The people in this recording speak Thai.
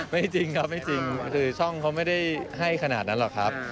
จริงครับไม่จริงคือช่องเขาไม่ได้ให้ขนาดนั้นหรอกครับ